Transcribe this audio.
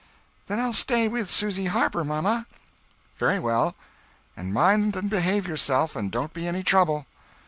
"Then I'll stay with Susy Harper, mamma." "Very well. And mind and behave yourself and don't be any trouble."